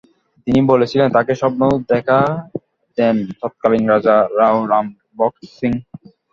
তিনি বলেছিলেন, তাঁকে স্বপ্নে দেখা দেন তত্কালীন রাজা রাও রাম বক্স সিং।